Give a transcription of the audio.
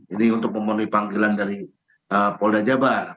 ini untuk memenuhi panggilan dari polda jabar